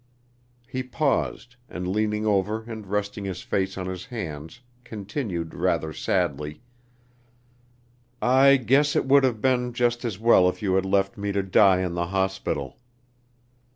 He paused, and leaning over and resting his face on his hands, continued rather sadly: "I guess it would have been just as well if you had left me to die in the hospital."